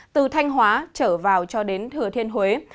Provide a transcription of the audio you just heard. từ thanh hóa trở vào cho đến thừa thiên huế